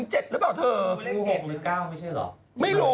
งู๖หรือ๙ไม่ใช่เหรอ